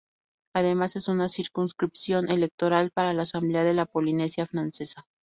Además, es una circunscripción electoral para la Asamblea de la Polinesia Francesa.